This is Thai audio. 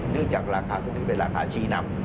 เนื่องจากราคาพวกนี้เป็นราคาชีนำ